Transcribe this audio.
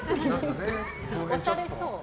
おしゃれそう。